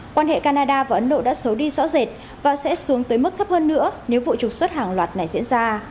quan hệ canada và ấn độ đã xấu đi rõ rệt và sẽ xuống tới mức thấp hơn nữa nếu vụ trục xuất hàng loạt này diễn ra